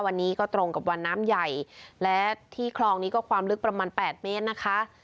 วันนี้ก็ตรงกับวันน้ำใหญ่และที่คลองนี้ก็ความลึกประมาณ๘เมตรนะคะ